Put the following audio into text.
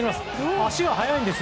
足が速いんです。